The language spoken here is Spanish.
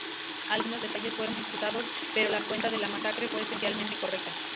Algunos detalles fueron disputados, pero la cuenta de la masacre fue esencialmente correcta.